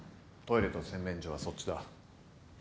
トイレと洗面所はそっちだ。